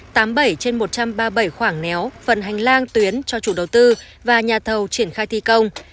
tám mươi bảy trên một trăm ba mươi bảy khoảng néo phần hành lang tuyến cho chủ đầu tư và nhà thầu triển khai thi công